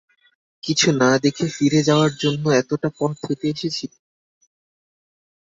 কিছু না দেখে ফিরে যাওয়ার জন্য এতটা পথ হেঁটে এসেছি?